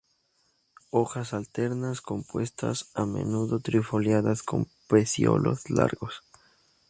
Hojas alternas, compuestas, a menudo trifoliadas con peciolos largos.